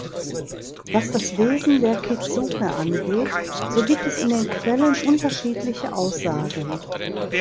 Was das Wesen der Kitsune angeht, so gibt es in den Quellen unterschiedliche Aussagen.